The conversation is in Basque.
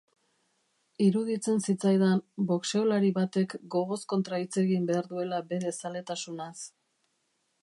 Iruditzen zitzaidan boxeolari batek gogoz kontra hitz egin behar duela bere zaletasunaz.